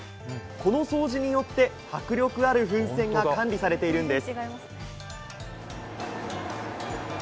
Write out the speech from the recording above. この掃除によって迫力ある噴泉が管理されているんです。